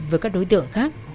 với các đối tượng khác